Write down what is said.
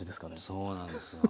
そうなんですよ。